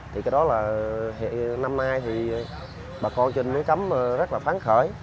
thì cái đó là năm nay thì bà con trên mới cắm rất là phán khởi